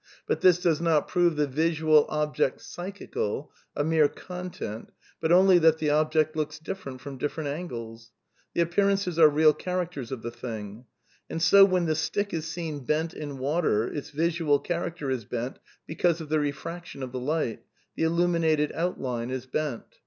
But this does not prove the visual object psychical — a mere content, but only that the object looks different from different angles ... the appearances are real characters of thi thing. And so when the stick is seen bent in water, its visual character is bent because of the refraction of the light; the illuminated outline is bent.